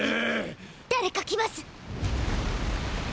誰か来ます！